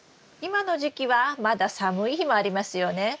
今の時期はまだ寒い日もありますよね。